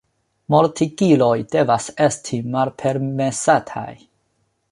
Mortigiloj devas esti malpermesataj.